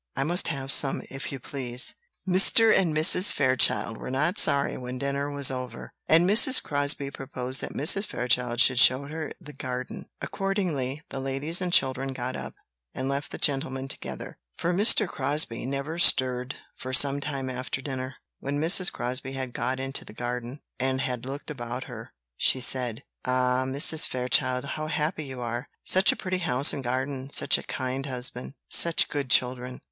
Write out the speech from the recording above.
I must have some, if you please." Mr. and Mrs. Fairchild were not sorry when dinner was over, and Mrs. Crosbie proposed that Mrs. Fairchild should show her the garden. Accordingly, the ladies and children got up, and left the gentlemen together; for Mr. Crosbie never stirred for some time after dinner. When Mrs. Crosbie had got into the garden, and had looked about her, she said: "Ah, Mrs. Fairchild, how happy you are! Such a pretty house and garden! such a kind husband! such good children!"